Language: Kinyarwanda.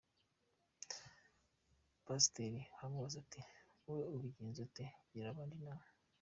Pasiteri aramubaza ati "Wowe ubigenza ute? Gira abandi inama!".